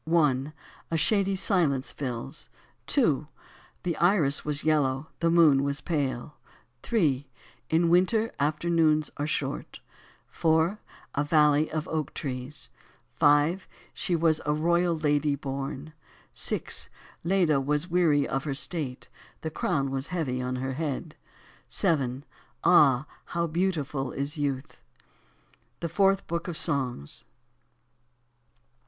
/. A shady silence fills 2. The iris wasjyellowy the moon was pale ^. In winter i afternoons are short 4. A valley of oak trees 5. She was a royal lady horn 6. 'Leda was weary of her state j the crown was heaxy on her head 7. Ai&, hov3 beautiful is youth THE FOURTH BOOK OF SONGS.